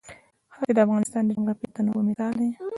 ښتې د افغانستان د جغرافیوي تنوع مثال دی.